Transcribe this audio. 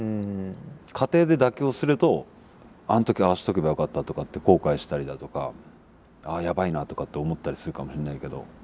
過程で妥協するとあの時ああしておけばよかったとかって後悔したりだとかああやばいなとかって思ったりするかもしれないけど。